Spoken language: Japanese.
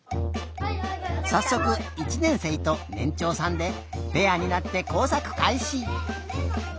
さっそく１年生とねんちょうさんでペアになってこうさくかいし。